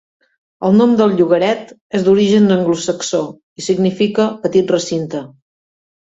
El nom del llogaret és d'origen anglosaxó, i significa "petit recinte".